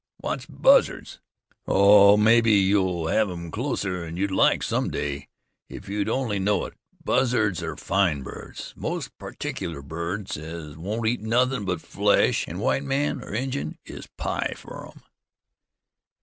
"What's buzzards?" "Ho! ho! Mebbe you'll hev 'em closer'n you'd like, some day, if you'd only know it. Buzzards are fine birds, most particular birds, as won't eat nothin' but flesh, an' white man or Injun is pie fer 'em."